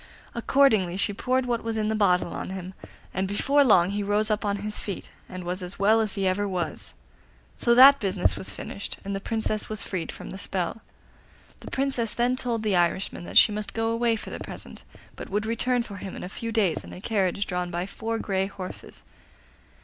Accordingly she poured what was in the bottle on him, and before long he rose up on his feet, and was as well as ever he was. So that business was finished, and the Princess was freed from the spell. The Princess then told the Irishman that she must go away for the present, but would return for him in a few days in a carriage drawn by four grey horses.